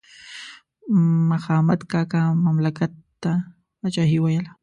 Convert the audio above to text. مخامد کاکا مملکت ته پاچاهي ویله.